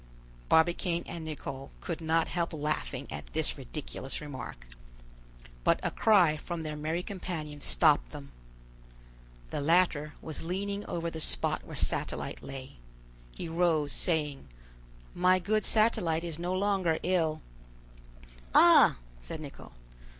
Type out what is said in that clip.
Barbicane and Nicholl could not help laughing at this ridiculous remark. But a cry from their merry companion stopped them. The latter was leaning over the spot where Satellite lay. He rose, saying: "My good Satellite is no longer ill." "Ah!" said Nicholl.